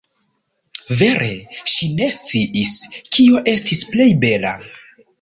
Vere, ŝi ne sciis, kio estis plej bela.